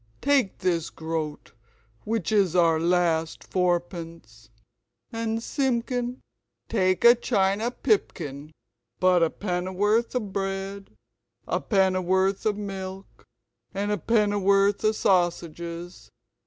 Take this groat (which is our last fourpence), and, Simpkin, take a china pipkin, but a penn'orth of bread, a penn'orth of milk, and a penn'orth of sausages.